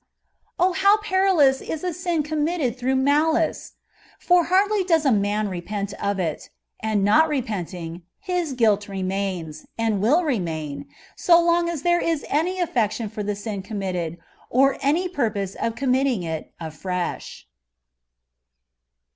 O how perilous is a sin committed through ma lico ! for hardly does a man repent of it ; and not repenting, his guilt remains, and will remain, so long as there is any afiection for the sin committed, or any purpose of committing it afiresh.